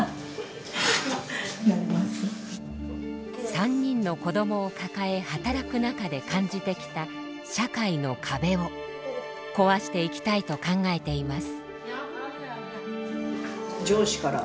３人の子どもを抱え働く中で感じてきた社会の壁を壊していきたいと考えています。